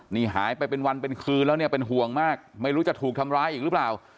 นี่หายไปเป็นวันเป็นคืนแล้วเนี่ยเป็นห่วงมากไม่รู้จะถูกทำร้ายอีกหรือเปล่า